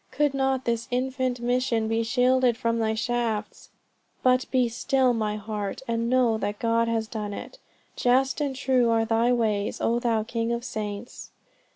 Could not this infant mission be shielded from thy shafts!" "But be still, my heart, and know that God has done it. Just and true are thy ways, oh thou King of saints!"